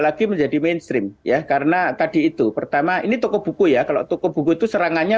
lagi menjadi mainstream ya karena tadi itu pertama ini toko buku ya kalau toko buku itu serangannya